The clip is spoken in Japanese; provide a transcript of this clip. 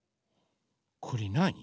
これなに？